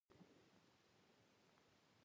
عام لباس یې پرتوګ کمیس او پکول دی.